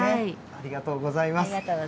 ありがとうございます。